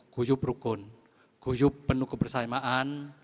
guyub rukun guyub penuh kebersaamaan